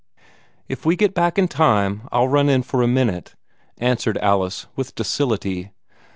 "If we get back in time, I'll run in for a minute," answered Alice, with docility.